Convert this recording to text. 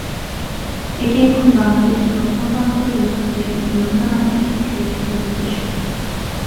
এটি এখন বাংলাদেশ প্রত্নতত্ত্ব বিভাগের নিয়ন্ত্রণাধীন একটি সুরক্ষিত নিদর্শন।